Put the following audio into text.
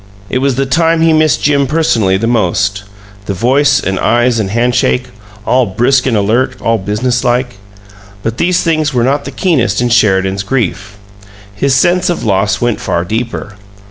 It was the time he missed Jim personally the most the voice and eyes and handshake, all brisk and alert, all business like. But these things were not the keenest in Sheridan's grief; his sense of loss went far deeper.